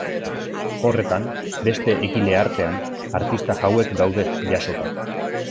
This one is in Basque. Horretan, beste egile artean, artista hauek daude jasota.